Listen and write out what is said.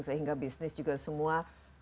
sehingga bisnis juga semua